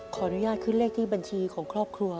ขออนุญาตขึ้นเลขที่บัญชีของครอบครัว